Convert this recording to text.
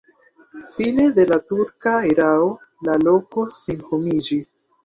Fine de la turka erao la loko senhomiĝis.